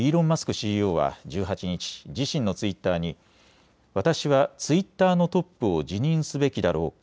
ＣＥＯは１８日、自身のツイッターに私はツイッターのトップを辞任すべきだろうか。